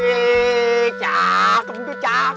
ih cakep mendingan cakep